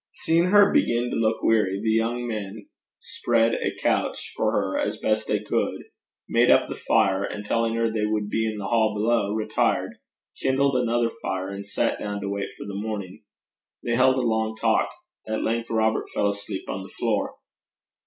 Seeing her begin to look weary, the young men spread a couch for her as best they could, made up the fire, and telling her they would be in the hall below, retired, kindled another fire, and sat down to wait for the morning. They held a long talk. At length Robert fell asleep on the floor.